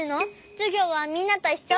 じゅぎょうはみんなといっしょ？